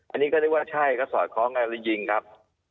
อันนี้ก็เรียกว่าใช่ก็สอดคล้องกันหรือยิงครับ